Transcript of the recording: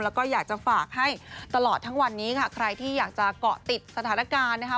แล้วก็อยากจะฝากให้ตลอดทั้งวันนี้ค่ะใครที่อยากจะเกาะติดสถานการณ์นะคะ